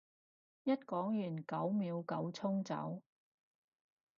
一講完九秒九衝走